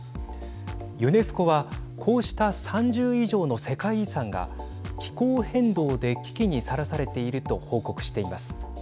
ユネスコはこうした３０以上の世界遺産が気候変動で危機にさらされていると報告しています。